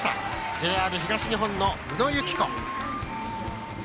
ＪＲ東日本の宇野友紀子。